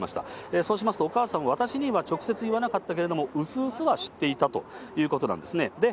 そうしますと、お母さんが、私には直接言わなかったけれども、うすうすは知っていたということなんですね。